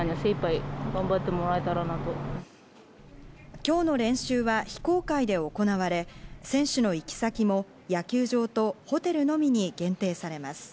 今日の練習は非公開で行われ、選手の行き先も野球場とホテルのみに限定されます。